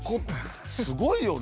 すごいよね。